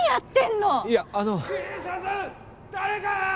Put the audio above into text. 誰か！